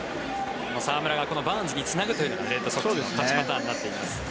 澤村がバーンズにつなぐというのがレッドソックスの勝ちパターンになっています。